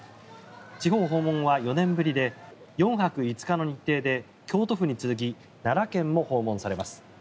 地方訪問は４年ぶりで４泊５日の日程で京都府に続き奈良県も訪問されます。